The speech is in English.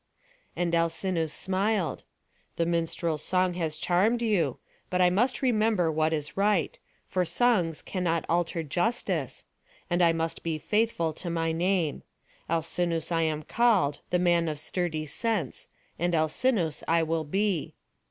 And Alcinous smiled. "The minstrel's song has charmed you; but I must remember what is right; for songs cannot alter justice; and I must be faithful to my name. Alcinous I am called, the man of sturdy sense, and Alcinous I will be."